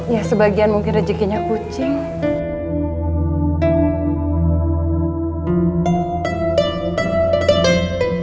ya sebagian mungkin rezekinya kucing